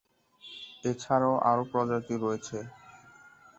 এছাড়াও আরো প্রজাতি রয়েছে।